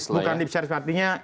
bukan lip service artinya